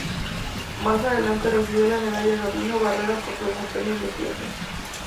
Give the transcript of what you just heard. Más adelante recibió la medalla Gabino Barreda por su desempeño e investigación.